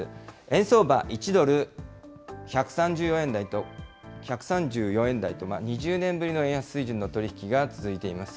円相場、１ドル１３４円台と、２０年ぶりの円安水準の取り引きが続いています。